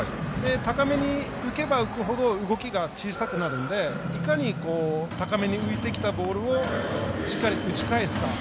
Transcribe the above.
高めに浮けば浮くほど動きが小さくなるのでいかに高めに浮いてきたボールをしっかり打ち返すか。